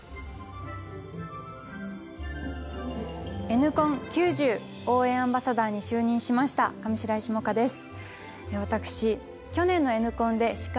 Ｎコン９０応援アンバサダーに就任しました上白石萌歌です。